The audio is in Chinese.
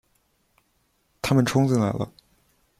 他们冲进来了